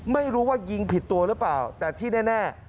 ไม่รู้ว่ายิงผิดตัวหรือเปล่าแต่ที่แน่